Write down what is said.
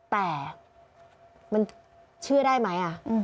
แต่มันเชื่อได้ไหม